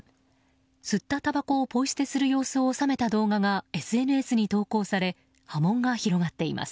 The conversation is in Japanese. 吸ったたばこをポイ捨てする様子を収めた動画がＳＮＳに投稿され波紋が広がっています。